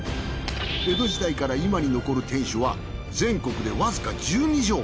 江戸時代から今に残る天守は全国でわずか１２城。